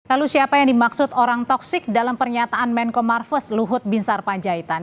lalu siapa yang dimaksud orang toksik dalam pernyataan menko marves luhut binsar panjaitan